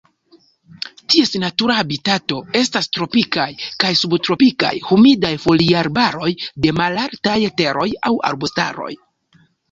Ties natura habitato estas tropikaj kaj subtropikaj humidaj foliarbaroj de malaltaj teroj aŭ arbustaroj.